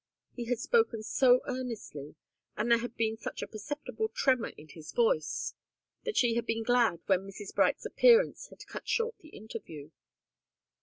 He had spoken so earnestly and there had been such a perceptible tremor in his voice, that she had been glad when Mrs. Bright's appearance had cut short the interview.